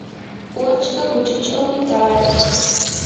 wachwa quchachawmi taaran.